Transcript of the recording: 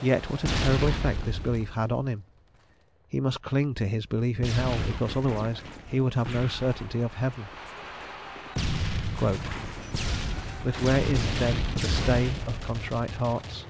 Yet what a terrible effect this belief had on him; he must cling to his belief in hell, because otherwise he would have no certainty of heaven: "But where is then the stay of contrite hearts?